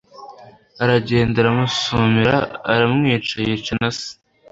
aragenda aramusumira aramwica yica nase